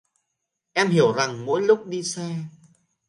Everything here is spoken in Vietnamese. Em hiểu rằng mỗi lúc đi xa